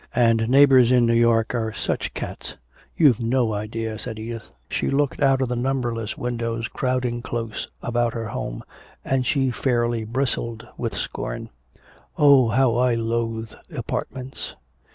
"And neighbors in New York are such cats! You've no idea!" said Edith. She looked out at the numberless windows crowding close about her home, and she fairly bristled with scorn. "Oh, how I loathe apartments!"